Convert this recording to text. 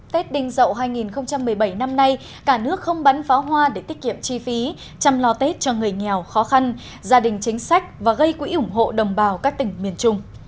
tết đinh dậu hai nghìn một mươi bảy năm nay cả nước không bắn pháo hoa để tiết kiệm chi phí chăm lo tết cho người nghèo khó khăn gia đình chính sách và gây quỹ ủng hộ đồng bào các tỉnh miền trung